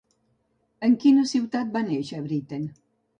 En quina ciutat va néixer Britten?